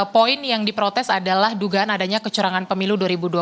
poin yang diprotes adalah dugaan adanya kecurangan pemilu dua ribu dua puluh